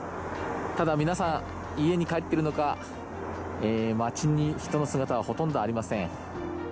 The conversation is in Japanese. ただ、皆さん家に帰っているのか街に人の姿はほとんどありません。